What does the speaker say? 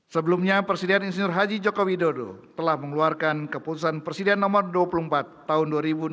sebelumnya presiden insinyur haji joko widodo telah mengeluarkan keputusan presiden nomor dua puluh empat tahun dua ribu enam belas